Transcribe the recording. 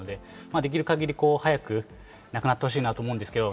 できる限り早くなくなってほしいなと思うんですけど。